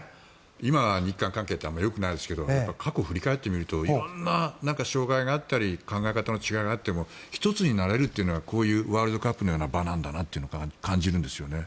今は日韓関係ってよくないですけど過去を振り返ってみると色んな障害があったり考え方の違いがあっても一つになれるというのがこういうワールドカップのような場なんだなと感じるんですね。